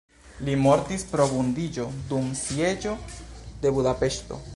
Li mortis pro vundiĝo dum sieĝo de Budapeŝto.